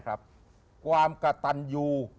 ครับความกระตันยู